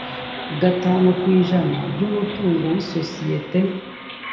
gatanu ku ijana by umutungo w isosiyete